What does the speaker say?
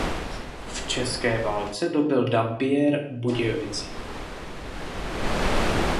V České válce dobyl Dampierre Budějovice.